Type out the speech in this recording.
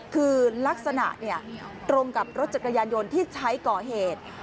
คือลักษณะตรงกับรถจักรยานยนต์ที่ใช้ก่อเหตุ